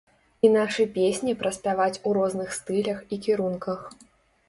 І нашы песні праспяваць у розных стылях і кірунках.